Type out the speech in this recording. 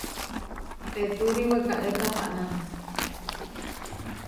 Peturi wekaré tapaná.